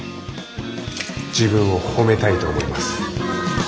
自分を褒めたいと思います。